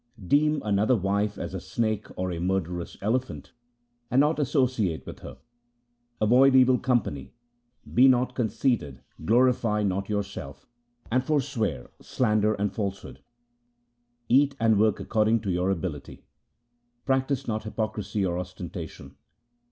Deem another's wife as a snake or a murderous elephant, and associate not with her. Avoid evil company ; be not conceited, glorify not yourselves, and for swear slander and falsehood. Eat and work accord ing to your ability. Practise not hypocrisy or ostentation.